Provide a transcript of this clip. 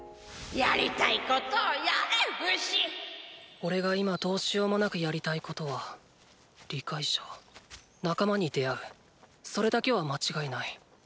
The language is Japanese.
おれが今どうしようもなくやりたいことは理解者仲間に出会うそれだけは間違いない。